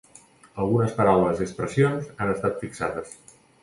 Algunes paraules i expressions han estat fixades.